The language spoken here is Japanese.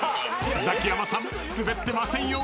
［ザキヤマさんスベってませんよ］